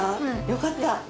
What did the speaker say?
よかった！